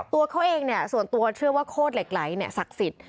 ตัวเขาเองเนี่ยส่วนตัวเชื่อว่าโคตรเหล็กไหลศักดิ์สิทธิ์